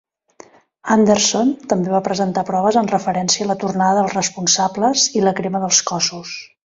Anderson també va presentar proves en referència a la tornada dels responsables i la crema dels cossos.